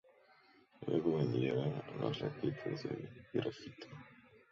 Luego vendrían las raquetas de grafito.